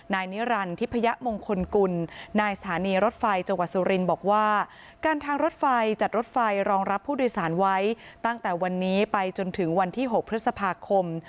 นายนิรันดิทิพยมงคลกุลนายสถานีรถไฟจังหวัดสุรินบอกว่าการทางรถไฟจัดรถไฟรองรับผู้โดยสารไว้ตั้งแต่วันนี้ไปจนถึงวันที่๖พฤษภาคม